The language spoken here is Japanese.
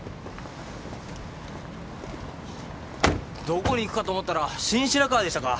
どこに行くかと思ったら新白河でしたか。